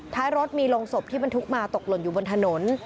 ท้ายรถมีโรงศพที่บรรทุกมาตกหล่นอยู่บนถนน